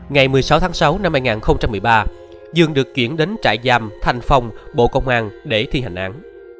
năm hai nghìn một mươi bảy ngày một mươi sáu tháng sáu năm hai nghìn một mươi ba dương đã chuyển đến trại giam thanh phong bộ công an để thi hành án